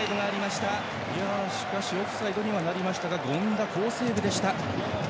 しかしオフサイドになりましたが権田、好セーブでした。